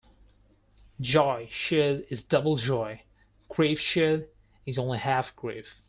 Joy shared is double joy; grief shared is only half grief.